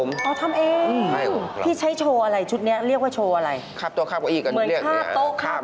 ค่าทุกอย่างก็เกือบหมื่นนะครับค่าทุกอย่างก็เกือบหมื่นนะครับ